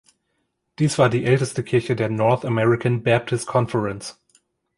Dies war die älteste Kirche der „North American Baptist Conference“.